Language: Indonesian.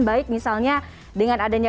baik misalnya dengan adanya